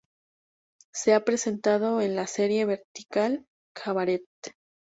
Se ha presentado en la serie "Vertical Cabaret".